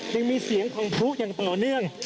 ยังมีเสียงของพลุอย่างต่อเนื่อง